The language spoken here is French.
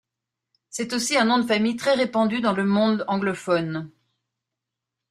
C'est aussi un nom de famille très répandu dans le monde anglophone.